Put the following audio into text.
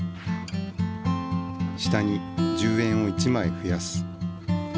下に１０円を１まいふやす。